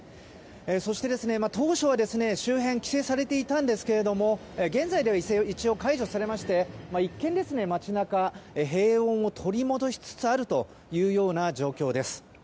そして、当初は周辺は規制されていたんですが現在では一応解除されまして一見、街中は平穏を取り戻しつつあるというような状況です。